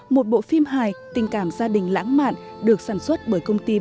một bộ phim hài tình cảm gia đình lãng mạn được sản xuất bởi công ty